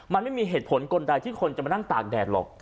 มันไม่มีเหตุผลกลใดที่คนจะมานั่งตากแดดหรอก